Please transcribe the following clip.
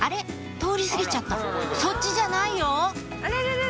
通り過ぎちゃったそっちじゃないよあれれれ？